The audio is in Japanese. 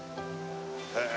へえ。